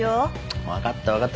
分かった分かった。